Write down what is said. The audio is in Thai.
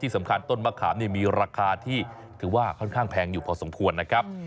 สำคัญต้นมะขามมีราคาที่ค่อนข้างแพงอยู่พอสมควรนะครับ